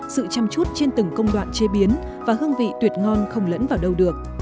sự chăm chút trên từng công đoạn chế biến và hương vị tuyệt ngon không lẫn vào đâu được